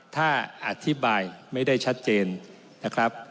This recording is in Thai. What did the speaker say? ถ้าอธิบายไม่ได้ชัดเจนนะครับ